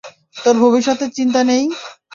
তোর ভবিষ্যতের চিন্তা নেই?